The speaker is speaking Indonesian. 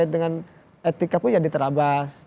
dengan etika pun jadi terabas